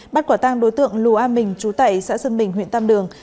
bắt quả tang đối tượng lùa mình chú tẩy xã sơn bình huyện tam đường